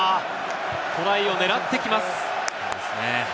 トライを狙ってきます。